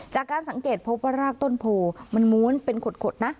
จากการสังเกตพบว่ารากต้นโพมันม้วนเป็นขดนะ